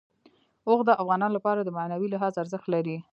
اوښ د افغانانو لپاره په معنوي لحاظ ارزښت لري.